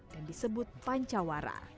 dan disebut pancawara